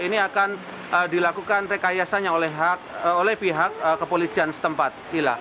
ini akan dilakukan rekayasanya oleh pihak kepolisian setempat